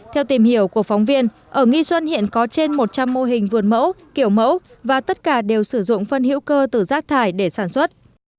theo tìm hiểu của phóng viên ở nghi xuân hiện có trên một trăm linh mô hình vườn mẫu kiểu mẫu và tất cả đều sử dụng phân hữu cơ từ rác thải để sản xuất